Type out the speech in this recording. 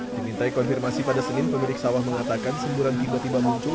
dimintai konfirmasi pada senin pemilik sawah mengatakan semburan tiba tiba muncul